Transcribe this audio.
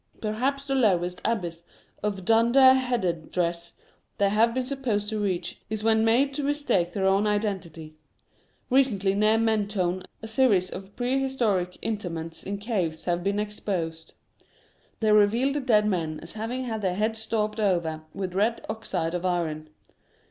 Perhaps the lowest abyss of dunder headedress they have been supposed to reach is when made to mistake their own identity. Recently near Mentone a series of prehistoric interments in caves have been exposed. They reveal the dead men as having had their heads daubed over with red oxide of iron.